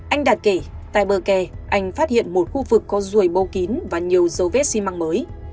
anh đạt kể tại bờ kè anh phát hiện một khu vực có ruồi bâu kín và nhiều dấu vết xi măng mới